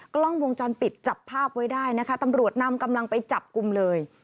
กล้องวงจรปิดจับภาพไว้ได้นะคะตำรวจนำกำลังไปจับกลุ่มเลย